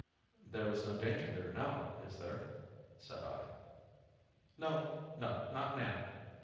"There is no danger here now, is there?" said I. "No, no, not now."